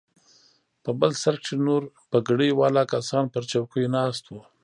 په بل سر کښې نور پګړۍ والا کسان پر چوکيو ناست وو.